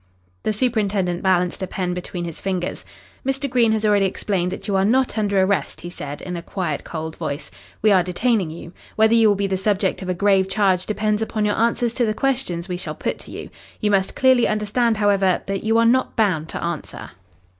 The superintendent balanced a pen between his fingers. "Mr. Green has already explained that you are not under arrest," he said, in a quiet, cold voice. "We are detaining you. Whether you will be the subject of a grave charge depends upon your answers to the questions we shall put to you. You must clearly understand, however, that you are not bound to answer."